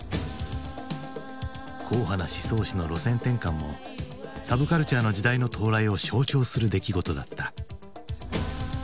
硬派な思想誌の路線転換もサブカルチャーの時代の到来を象徴する出来事だった。